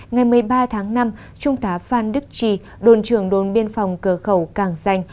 ngày một mươi ba tháng năm trung tá phan đức trì đồn trưởng đồn biên phòng cờ khẩu cảng danh